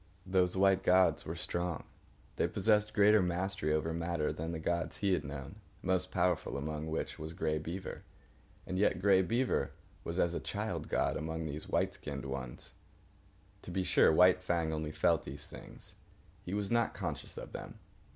Those white gods were strong. They possessed greater mastery over matter than the gods he had known, most powerful among which was Grey Beaver. And yet Grey Beaver was as a child god among these white skinned ones. To be sure, White Fang only felt these things. He was not conscious of them.